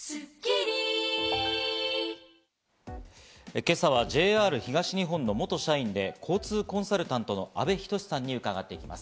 今朝はＪＲ東日本の元社員で交通コンサルタントの阿部等さんに伺っていきます。